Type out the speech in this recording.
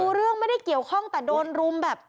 รู้เรื่องไม่ได้เกี่ยวข้องแต่โดนรุมแบบ